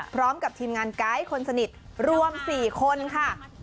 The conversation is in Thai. พร้อมกับทีมงานไกด์คนสนิทรวม๔คนค่ะ